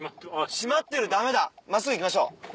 閉まってるダメだ真っすぐ行きましょう！